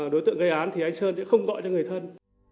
đối tượng gây án thì anh sơn sẽ không gọi cho người thân